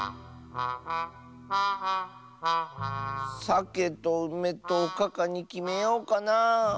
さけとうめとおかかにきめようかなあ。